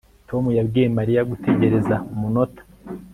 Tom yabwiye Mariya gutegereza umunota